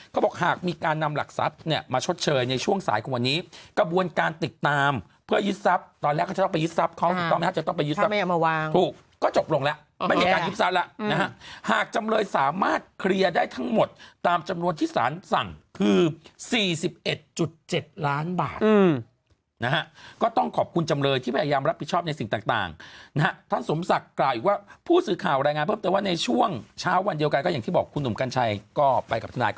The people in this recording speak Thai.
ถูกก็จบลงแล้วไม่ได้การยุติธรรมแล้วหากจำเลยสามารถเคลียร์ได้ทั้งหมดตามจำนวนที่สารสั่งคือ๔๑๗ล้านบาทนะฮะก็ต้องขอบคุณจำเลยที่พยายามรับผิดชอบในสิ่งต่างนะฮะท่านสมศักดิ์กล่าวอยู่ว่าผู้สื่อข่าวรายงานเพิ่มแต่ว่าในช่วงเช้าวันเดียวกันก็อย่างที่บอกคุณหนุ่มกัญชัยก็ไปกับทน